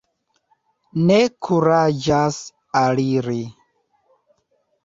Ne kuraĝas aliri.